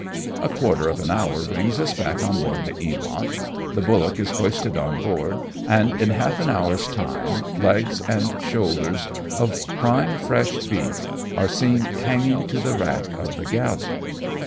A quarter of an hour brings us back on board the Eamont ; the bullock is hoisted on board, and in half an hour's time legs and shoulders of prime fresh beef are seen hanging to the rack of the galley.